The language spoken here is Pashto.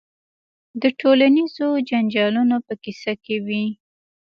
د ټولنیزو جنجالونو په کیسه کې وي.